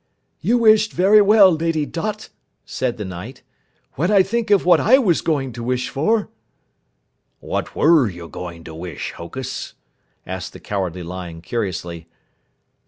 "You wished very well, Lady Dot," said the Knight. "When I think of what I was going to wish for " "What were you going to wish, Hokus?" asked the Cowardly Lion curiously.